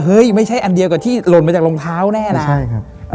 เฮ้ยไม่ใช่อันเดียวกับที่หล่นไปจากรองเท้าแน่นะ